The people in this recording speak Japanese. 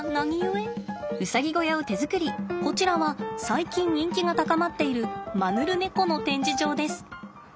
こちらは最近人気が高まっているマヌルネコの展示場です。